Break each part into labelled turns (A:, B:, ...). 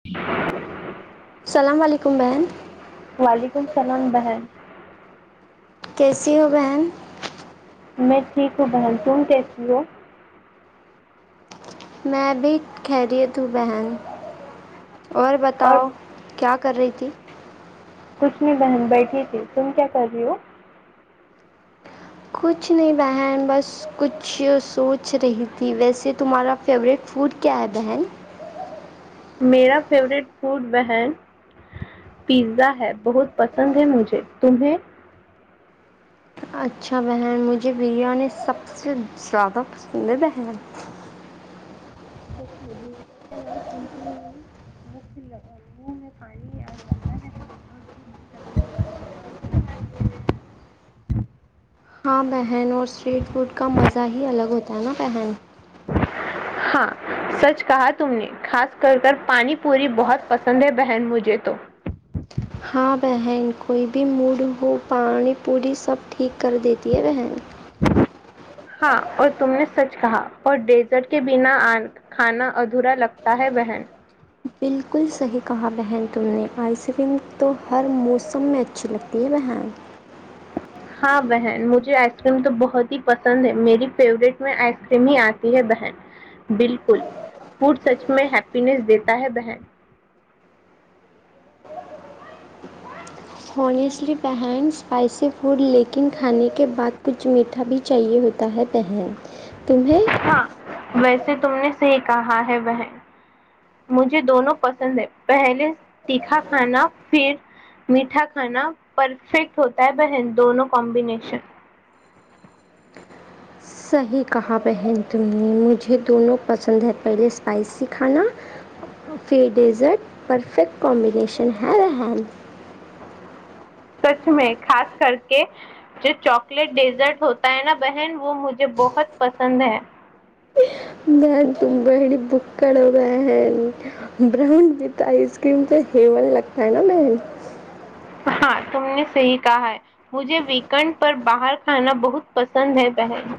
A: [inaudible] [unintelligible]
B: السلام علیکم بن [unintelligible]
A: وعلیکم السلام بحم [unintelligible]
B: کیسییو بہن [unintelligible]
A: میں ٹھیک ہوں بہن تم کیسی ہو [unintelligible]
B: میں بھی خیریتت بہن [unintelligible] اور بتاؤ کیا کر رہی [inaudible]
A: کچھ نہیں بہن بیٹھی تھی تم کیا کر رہی ہو [unintelligible]
B: کچھ نہیں بہن بس کچھ سوچ رہی تھی ویسے تمہارا فیوریٹ فوڈ کیا ہے بہن [unintelligible]
A: میرا فیورورٹ فوڈ وہن پیزا ہے بہت پسند ہے مجھے تمہیں [unintelligible]
B: اچھا بہن مجھے بریانی سب سے زیادہ پسند ہے بہن
A: سچ بییاں نام سنتے ہی منہ میں پانی آ جاتا ہے اور دھوپ بھی لگنے ہے
B: ہاں بہن اور اسٹریٹ فوڈ کا مزہ ہی الگ ہوتا ہے نا بہن
A: ہاں سچ کہا تم نے خاص کر کر پانی پوری بہت پسند ہے بہن مجھے تو [unintelligible]
B: ہاں بہن کوئی بھی موڈ ہو پانی پوی سب ٹھیک کر دیتی ہے بہن [unintelligible]
A: ہاں اور تم نے سچ کہا اور ڈیزرٹ کے بنا کھانا ادھورا لگتا ہے بہن [unintelligible]
B: بالکل صحیح کہا بہن تم نے آئس کریم تو ہر موسم میں اچھی لگتی ہے بہن [unintelligible]
A: ہاں بہن مجھے آئس کریم تو بہت ہی پسند ہے میری فیوریٹ میں آئس کریم ہی آتی ہے بہن بالکل فوڈ سچ میں ہیپینیس دیتا ہے بہن
B: ہنیسٹلی بہن اسپائسی فوڈ لیکن کھانے کے بعد کچھ میٹھا بھی چاہیے ہوتا ہے بہن تمہیں
A: ہاں ویسے تم نے صحی کہا ہے بہن مجھے دونوں پسند ہے پہلے تیکھا کھانا پھر میٹھا کھانا پرفیکٹ ہوتا ہے بہن دونوں کمبینیشن
B: صحیح کہا بہن تم نے مجھے دونوں پسند ہے پہلے اسپائسی کھانا فی ڈیزرٹ پرفیکٹ کامبینیشن ہے رحم
A: سچ میں خاص کر کے جو چاکلیٹ ڈیزرٹ ہوتا ہے نا بہن وہ مجھے بہت پسند ہے
B: میں بی بکڑ ہو گئے ہیں براؤن وتھ آئس کریم تو ہیل لگتا ہے نا میں [unintelligible]
A: ہاں تم نے صحی کہا ہے مجھے ویکینڈ پر باہر کھانا بہت پسند ہے بہن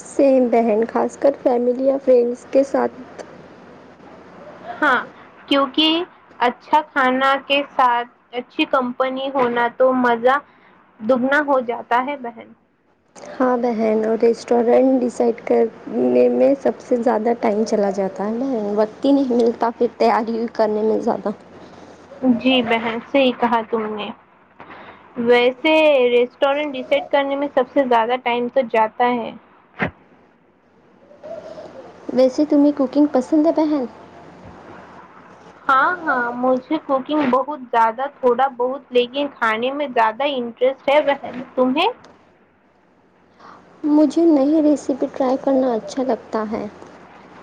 B: سیم بہن خاص کر فیملی یا فرینڈس کے ساتھ [unintelligible]
A: ہاں کیوںکہ اچھا کھانا کے ساتھ اچھی کمپنی ہونا تو مزہ دگنا ہو جاتا ہے بہن
B: ہاں بہن اور ریسٹورینٹ ڈیسائڈ کرنے میں سب سے زیادہ ٹائم چلا جاتا ہے بہن وقت ہی نہیں ملتا پھر تیاری کرنے میں زیادہ [unintelligible]
A: جی بہن سےیح کہا تم نے ویسے ریسٹورینٹ ڈسڈ کرنے میں سب سے زیادہ ٹائم تو جاتا ہے [unintelligible]
B: ویسے تیں کوکنگ پسند پہن [unintelligible]
A: ہاں ہاں مجھے کوکنگ بہت زیادہ تھوڑا بہت لیکن کھانے میں زیادہ انٹرسٹ ہے بن تمہیں
B: مجھے نئی ریسیپی ٹرائی کرنا اچھا لگتا ہے [unintelligible]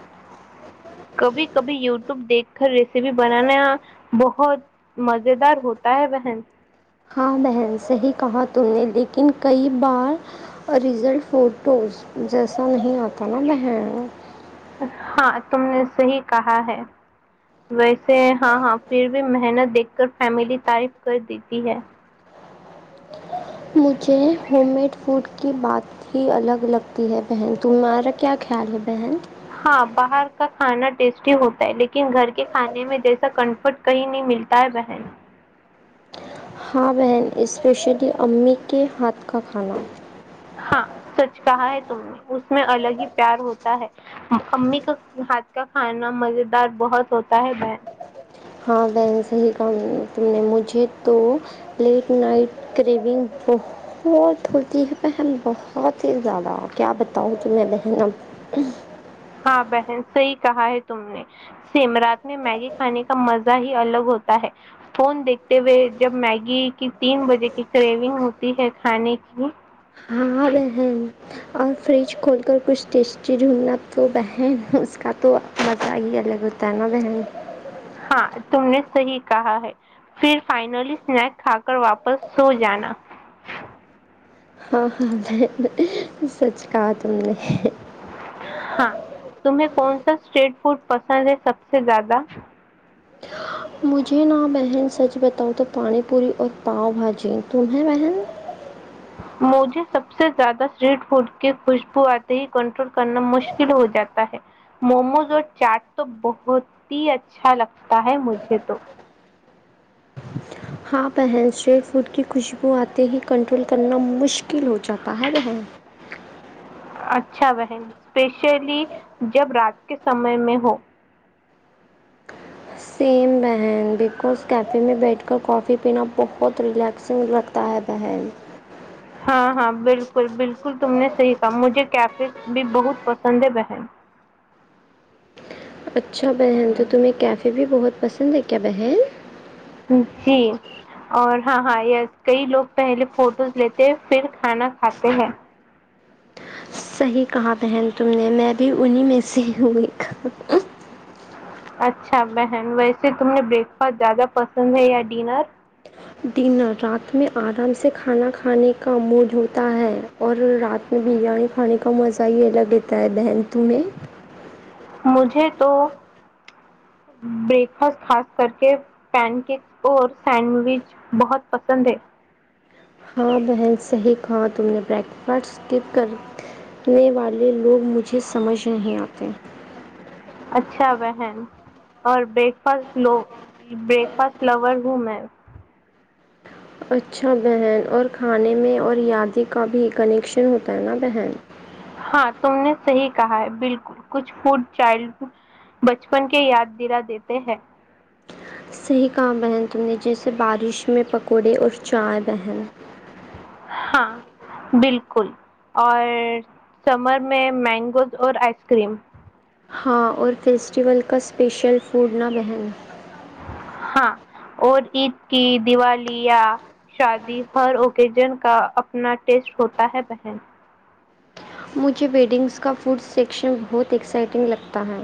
A: کبھی کبھی یوٹیوب دیکھ کر ریسیپی بنانا بہت مز دار ہوتا ہے بہن
B: ہاں بہن صحیح کہا تم نے لیکن کئی بار اوریزل فوٹوز جیسا نہیں آتا نا بہن [unintelligible]
A: ہاں تم نے صحیح کہا ہے ویسے ہاں ہاں پھر بھی محنت دیکھ کر فیملی تعریف کر دیتی ہے [unintelligible]
B: مجھے ہوم میڈ فوڈ کی بات ہی الگ لگتی ہے بہن تمہارا کیا خیال ہے بہن [unintelligible]
A: ہاں باہر کا کھانا ٹیسٹی ہوتا ہے لیکن گھر کے کھانے میں جیسا کمفرٹ کہیں نہیں ملتا ہے بہن [unintelligible]
B: ہاں بہن اسپیشلی امی کے ہاتھ کا کھانا [unintelligible]
A: ہاں سچ کہا ہے تم نے اس میں الگ ہی پیار ہوتا ہے امی کا ہاتھ کا کھانا مز دار بہت ہوتا ہے بہن [unintelligible]
B: ہاں بہن صحیح کام تم نے مجھے تو لیٹ نائٹ کریونگ بہت ہوتی ہے پہن بہت ہی زیادہ کیا بتاؤ تمہیں بہن [unintelligible]
A: ہاں بہن صحیح کہا ہے تم نے سیم رات میں میگی کھانے کا مزہ ہی الگ ہوتا ہے فون دیکھتے ہوئے جب میگی کی تین بجے کی کریونگ ہوتی ہے کھانے کی [unintelligible]
B: ہاں بہن اور فریج کھول کر کچھ ٹیسٹی ڈھونڈنا تو بہن اس کا تو مزہ ہی الگ ہوتا ہے نا بہن [unintelligible]
A: ہاں تم نے صحیح کہا ہے پھر فائنلی سنیک کھا کر واپس سو جانا [unintelligible]
B: ہاں ہاں میں سچ کہا تم نے [unintelligible]
A: ہاں تمہیں کون سا اسٹریٹ فوڈ پسند ہے سب سے زیادہ
B: مجھے نا بہن سچ بتاؤ تو پانی پوری اور پاؤ بھاجی تم ہیں بہن
A: مجھے سب سے زیادہ اسٹریٹ فوڈ کے خوشبو آتے ہی کنٹرول کرنا مشکل ہو جاتا ہے موموز اور چاٹ تو بہت ہی اچھا لگتا ہے مجھے تو
B: ہاں بہن اسٹریٹ فوڈ کی خوشبو آتے ہی کنٹرول کرنا مشکل ہو جاتا ہے بہن
A: اچھا بہن اسپیشلی جب رات کے سمے میں ہو
B: سیم بہن بگ بس کیفے میں بیٹھ کر کافی پینا بہت ریلیکسنگ لگتا ہے بہن
A: ہاں ہاں بالکل بالکل تم نے صحیح کہا مجھے کیفیز بھی بہت پسند ہے بہن
B: اچھا بہن تو تمہیں کیفے بھی بہت پسند ہے کیا بہن
A: جی اور ہاں ہاں یس کئی لوگ پہلے فوٹوز لیتے پھر کھانا کھاتے ہیں
B: صحیح کہا بہن تم نے میں بھی انہیں میں سے ہئیا
A: اچھا بہن ویسے تم نے بریک فاسٹ زیادہ پسند ہے یا ڈنر
B: ڈنر رات میں آرام سے کھانا کھانے کا موج ہوتا ہے اور رات میں بریانی کھانے کا مزہ ہی الگ رہتا ہے بہن تہیں
A: مجھے تو بریکفاسٹ خاص کر کے پین کیکس اور سینڈوچ بہت پسند ہے
B: ہاں بہن صحیح کہا تم نے بریکفاسٹ اسکپ کرنے والے لوگ مجھے سمجھ نہیں آتے
A: اچھا بہن اور بریک فاسٹ ل بریک فاسٹ لور ہوں میں
B: اچھا بہن اور کھانے میں اور یادیں کا بھی کنیکشن ہوتا ہے نا بہن
A: ہاں تم نے صحیح کہا ہے بالکل کچھ فوڈ چائلڈ ہوڈ بچپن کے یاد دلا دیتے ہیں
B: صحیح کام بہن تم نے جیسے بارش میں پکوڑے اور چائے بہن
A: ہاں بالکل اور سمر میں مینگوز اور آئس کریم
B: ہاں اور فیسٹیول کا اسپیشل فوڈ نہ بہن
A: ہاں اور عید کی دیوالی یا شادی ہر اوکیجن کا اپنا ٹیسٹ ہوتا ہے بہن
B: مجھے ویڈنگس کا فوڈ سیکشن بہت ایکسائٹنگ لگتا ہے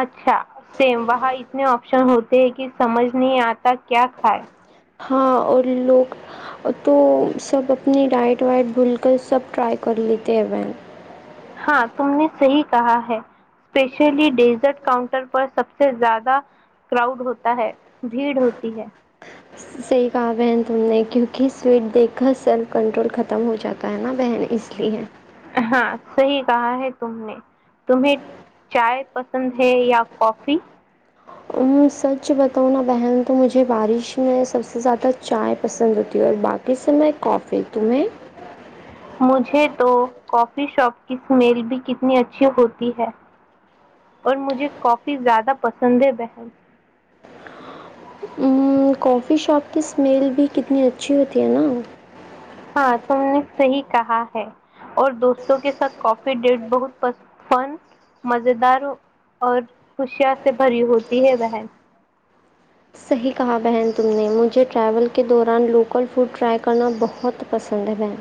A: اچھا سیم وہاں اتنے آپشن ہوتے ہیں کہ سمجھ نہیں آتا کیا کھائے
B: ہاں اور لوگ تو سب اپنی ڈائٹ وائٹ بھول کر سب ٹرائی کر لیتے ہیں ب
A: ہاں تم نے صحیح کہا ہے اسپیشلی ڈیزرٹ کاؤنٹر پر سب سے زیادہ کراؤڈ ہوتا ہے بھیڑ ہوتی ہے
B: صحیح کہا بہن تم نے کیونکہ سویٹ دیکھ کر سیلف کنٹرول ختم ہو جاتا ہے نا بہن اس لیے ہے
A: ہاں صحیح کہا ہے تم نے تمہیں چائے پسند ہے یا کافی
B: سچ بتاؤں نا بہن تو مجھے بارش میں سب سے زیادہ چائے پسند ہوتی ہے اور باقی س میں کافی تمہیں
A: مجھے تو کافی شاپ کی اسمیل بھی کتنی اچھی ہوتی ہے اور مجھے کافی زیادہ پسند ہے بہن
B: ام، کافی شاپ کی اسمیل بھی کتنی اچھی ہوتی ہے نا
A: ہاں تم نے صحی کہا ہے اور دوستوں کے ساتھ کافی ڈیٹ بہت فن مز دار اور خوشیا سے بھری ہوتی ہے بن
B: صحیح کہا بہن تم نے مجھے ٹریول کے دوران لوکل فوڈ ٹرائی کرنا بہت پسند ہے بہن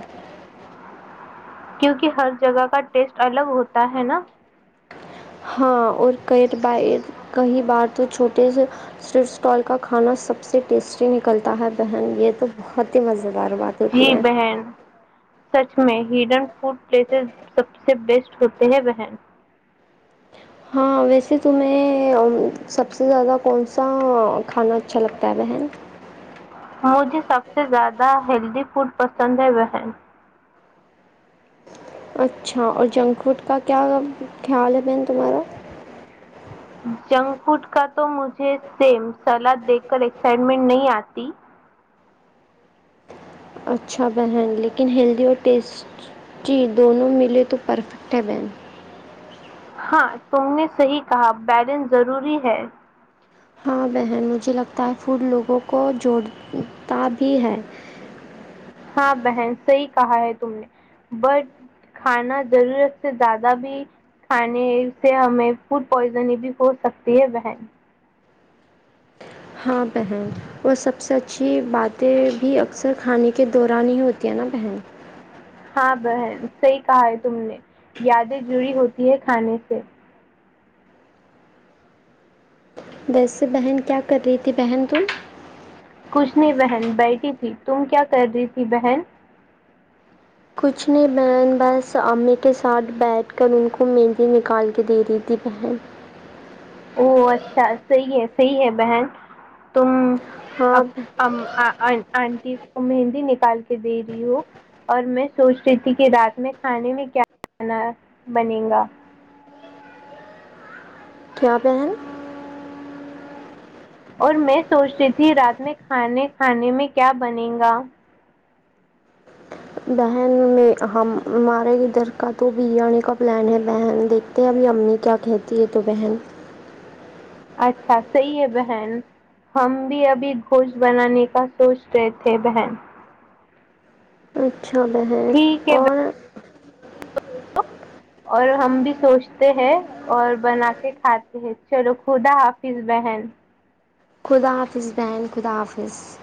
A: کیونکہ ہر جگہ کا ٹیسٹ الگ ہوتا ہے نا
B: ہاں اور کر ب کئی بار تو چھوٹے سےرف اسٹال کا کھانا سب سے ٹیسٹی نکلتا ہے بہن یہ تو بہت ہی مزہ بار بات ہوتی
A: جی
B: ہیں
A: بہن سچ میں ہیڈن فوڈ پلیسز سب سے بیسٹ ہوتے ہیں بہن
B: ہاں ویسے تمہیں سب سے زیادہ کون سا کھانا اچھا لگتا ہے بہن
A: مجھے سب سے زیادہ ہیلدی فوڈ پسند ہے وہ
B: اچھا اور جنک فوڈ کا کیا خیال ہے بن تمہارا
A: جنک فوڈ کا تو مجھے سیم سلاد دیکھ کر ایکسائٹمنٹ نہیں آتی
B: اچھا بہن لیکن ہیلدی اور ٹیسٹیٹی دونوں ملے تو پرفیکٹ ہے بہن
A: ہاں تم نے صحیح کہا بیلنس ضروری ہے
B: ہاں بہن مجھے لگتا ہے فڈ لوگوں کو جوڑتا بھی ہے
A: ہاں بہن صحیح کہا ہے تم نے بٹ کھانا ضرورت سے زیادہ بھی کھانے اس سے ہمیں فوڈ پوائزن بھی ہو سکتی ہے بہن
B: ہاں بہن وہ سب سے اچھی باتیں بھی اکثر کھانے کے دوران ہی ہوتی ہے نا بہن
A: ہاں بہن صحیح کہا ہے تم نے یادیں جڑی ہوتی ہے کھانے سے
B: ویسے بہن کیا کر رہی تھی بہن تم
A: کھ نے بہن بیٹھی تھی تم کیا کر رہی تھی بہن
B: کچھ نے بہن بس امی کے ساتھ بیٹھ کر ان کو مندی نکال کے دے رہی تھی بہن
A: او اچھا صحیح ہے صحیح ہے بہن
B: ہاں
A: توم آنٹی مہندی نکال کے دے رہی ہوں اور میں سوچ رہی تھی کہ رات میں کھانے میں کیا بنے گا
B: تھھیا پہن
A: اور میں سوچتی تھی رات میں کھانے کھانے میں کیا بنے گا
B: بہن میں ہم ہمارے ادھر کا تو بی آانی کا پلان ہے بہن دیکھتے ہیں ابھی امی کیا کہتی ہے تو بہن
A: اچھا صحیح ہے بہن ہم بھی ابھی گھوش بنانے کا سوچ رہے تھے بہن
B: اھا بہیں
A: ٹھیک ہے
B: اور [inaudible]
A: اور ہم بھی سوچتے ہیں اور بنا کے کھاتے ہیں چلو خدا حافظ بہن
B: خدا حافظ بین خدا حافظ